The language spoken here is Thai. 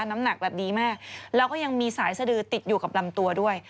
น้ำหนักแบบดีมากแล้วก็ยังมีสายสดือติดอยู่กับลำตัวด้วย